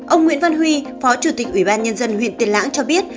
ông nguyễn văn huy phó chủ tịch ủy ban nhân dân huyện tiền lãng cho biết